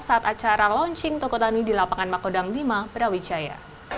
saat acara launching tokotani di lapangan makodang lima berawicaya